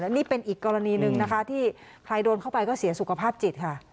นี่เป็นอีกกรณีหนึ่งนะคะที่ใครโดนเข้าไปก็เสียสุขภาพจิตค่ะ